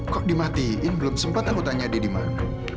kok dimatiin belum sempet aku tanya dia dimana